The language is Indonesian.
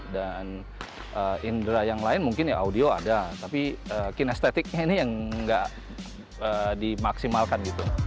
dan indera yang lain mungkin audio ada tapi kinesthetiknya ini yang tidak dimaksimalkan